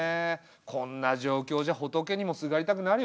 こんな状況じゃ仏にもすがりたくなるよな。